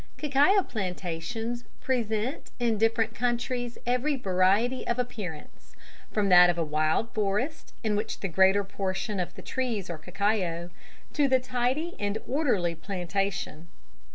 Cacao plantations present in different countries every variety of appearance from that of a wild forest in which the greater portion of the trees are cacao, to the tidy and orderly plantation.